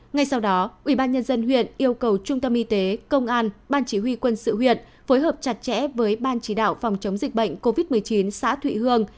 ngay sau đó ubnd huyện yêu cầu trung tâm y tế công an ban chỉ huy quân sự huyện phối hợp chặt chẽ với ban chỉ đạo phòng chống dịch bệnh covid một mươi chín xã thụy hương